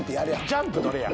ジャンプどれや？